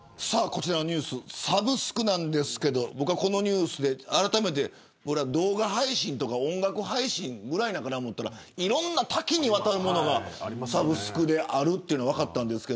こちらのニュースサブスクなんですけど僕はこのニュースで、あらためて動画配信とか音楽配信ぐらいなのかなと思ったら多岐にわたるものがサブスクであるというのが分かったんです。